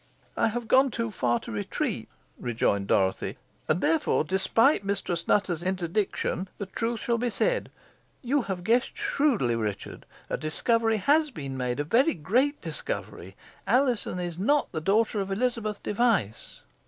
"I have gone too far to retreat," rejoined Dorothy, "and therefore, despite Mistress Nutter's interdiction, the truth shall out. You have guessed shrewdly, Richard. A discovery has been made a very great discovery. Alizon is not the daughter of Elizabeth Device."